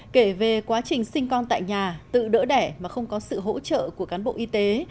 kể về quá trình sinh con tại nhà tự đỡ đẻ mà không có sự hỗ trợ của cán bộ y tế